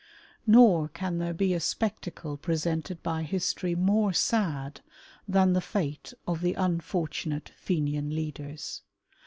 Nor can there be a spectacle presented by histojy more sad than the fate of the unfortunate Fenian leaders.